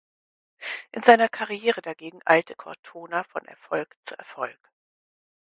In seiner Karriere dagegen eilte Cortona von Erfolg zu Erfolg.